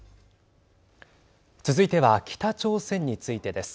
続いては北朝鮮についてです。